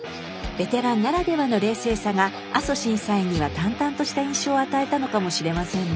ベテランならではの冷静さが阿蘇審査員には淡々とした印象を与えたのかもしれませんね。